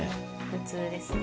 普通です。